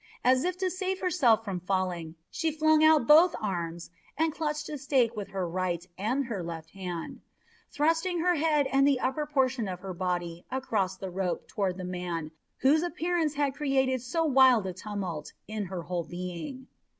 As if to save herself from falling, she flung out both arms and clutched a stake with her right and her left hand, thrusting her head and the upper portion of her body across the rope toward the man whose appearance had created so wild a tumult in her whole being.